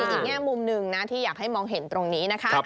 อีกแง่มุมหนึ่งนะที่อยากให้มองเห็นตรงนี้นะคะ